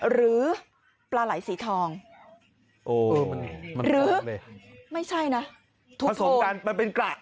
หรือปลาไหล่สีทองหรือไม่ใช่นะผสมกันมันเป็นกระ